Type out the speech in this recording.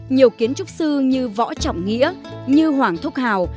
nhiều kiến trúc sư như võ trọng nghĩa như hoàng thúc hào